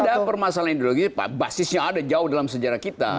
ada permasalahan ideologi basisnya ada jauh dalam sejarah kita